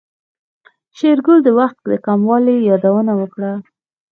شېرګل د وخت د کموالي يادونه وکړه.